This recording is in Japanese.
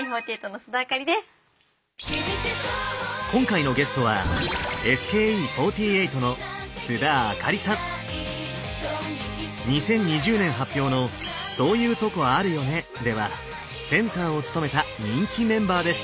今回のゲストは２０２０年発表の「ソーユートコあるよね？」ではセンターを務めた人気メンバーです。